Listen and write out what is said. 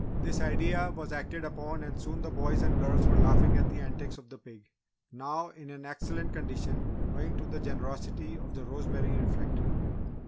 This idea was acted upon and soon the boys and girls were laughing at the antics of the pig, now in an excellent condition owing to the generosity of the Rosemary refectory.